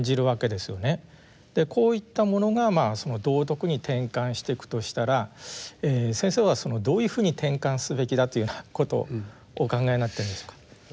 こういったものが道徳に転換していくとしたら先生はどういうふうに転換すべきだというようなことをお考えになってるんでしょうか。